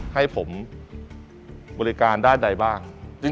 ให้ผมบริการด้านใดบ้าง